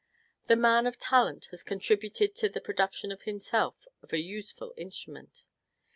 The man of talent has contributed to the production in himself of a useful instrument.